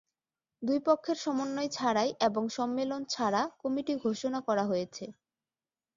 দুই পক্ষের সমন্বয় ছাড়াই এবং সম্মেলন ছাড়া কমিটি ঘোষণা করা হয়েছে।